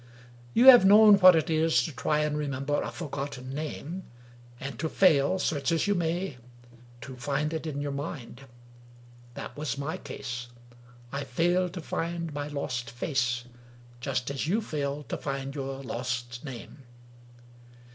You have known what it is to try and remember a forgotten name — and to fail, search as you may, to find it in your mind. That was my case. I failed to find my lost face, just as you failed to find your lost name.